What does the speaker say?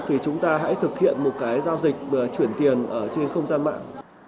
thì chúng ta hãy thực hiện một cái giao dịch chuyển tiền ở trên không gian mạng